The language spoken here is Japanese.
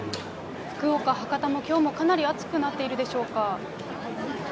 福岡・博多も、きょうもかなり暑くなっているでしょうか？